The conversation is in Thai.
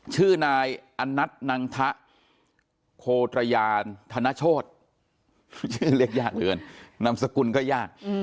ชื่อนายอันนัทนางทะโคตระยรภ์ธนโชฆ์เลขยากเรือนนามสกุลก็ยาก